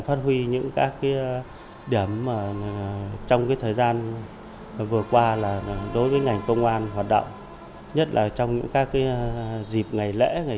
xã thân mỹ có tuyến đường hai trăm chín mươi năm b chạy qua là do khách thập phương đi qua nhiều lưu lượng